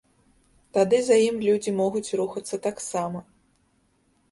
Тады за ім людзі могуць рухацца таксама.